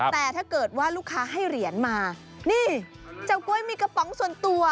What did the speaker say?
แต่ถ้าเกิดว่าลูกค้าให้เหรียญมานี่เจ้ากล้วยมีกระป๋องส่วนตัว